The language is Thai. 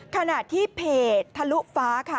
ขณะที่เพจทะลุฟ้าค่ะ